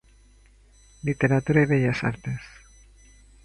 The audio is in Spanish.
Literatura y Bellas Artes.